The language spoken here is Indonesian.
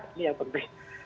ini yang penting